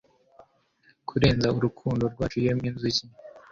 Kurenza urukundo rwacu Yemwe nzuki